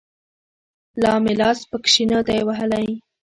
لا مې لاس پکښې نه دى وهلى.